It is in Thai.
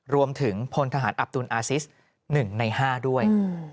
รวมถึงพลทหารอัปตูนอาซิส๑ใน๕ด้วย